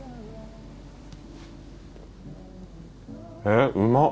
えっうま！